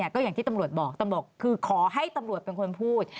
ก็อย่างที่ตำรวจบอกตำรวจคือขอให้ตำรวจเป็นคนพูด